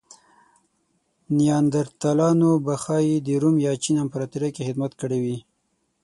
نیاندرتالانو به ښايي د روم یا چین امپراتورۍ کې خدمت کړی وی.